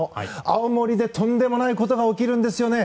青森でとんでもないことが起きるんですよね。